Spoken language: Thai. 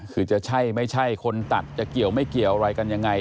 คือจะใช่ไม่ใช่คนตัดจะเกี่ยวไม่เกี่ยวอะไรกันยังไง